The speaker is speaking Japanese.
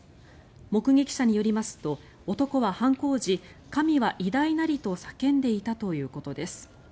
目撃者によりますと男は犯行時神は偉大なりと叫んでいたということです。